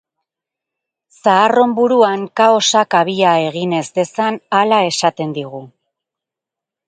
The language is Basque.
Zaharron buruan kaosak habia egin ez dezan, hala esaten digu.